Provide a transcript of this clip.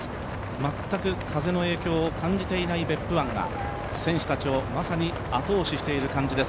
全く風の影響を感じていない別府湾が選手たちをまさに後押ししている感じです。